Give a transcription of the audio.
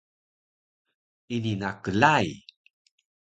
Ini na klai